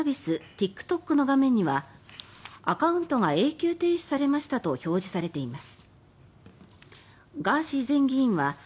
ＴｉｋＴｏｋの画面にはアカウントが永久停止されましたと表示されています。